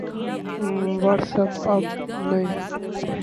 what's app آپ نئے